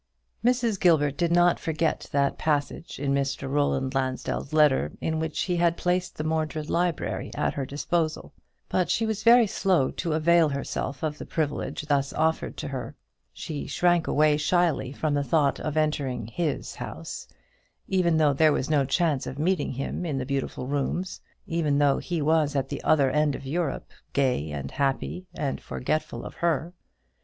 Mrs. Gilbert did not forget that passage in Roland Lansdell's letter, in which he had placed the Mordred library at her disposal. But she was very slow to avail herself of the privilege thus offered to her. She shrank away shyly from the thought of entering his house, even though there was no chance of meeting him in the beautiful rooms; even though he was at the other end of Europe, gay and happy, and forgetful of her.